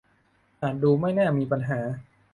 อาจดูไม่น่ามีปัญหา